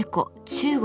中国